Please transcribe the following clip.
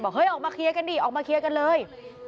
บอกเฮ้ยออกมาเคียกกันดิออกมาเคียกกันเลย